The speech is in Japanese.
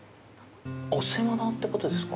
お吸い物ってことですか。